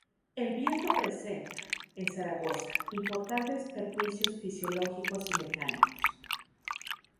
El viento presenta, en Zaragoza, importantes perjuicios fisiológicos y mecánicos.